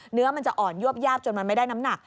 เนื้อมันจะอ่อนยวบยาบจนมันไม่ได้น้ำหนัก